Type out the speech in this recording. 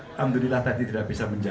alhamdulillah tadi tidak bisa menjawab